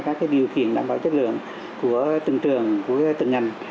các cái điều khiển đảm bảo chất lượng của từng trường của từng ngành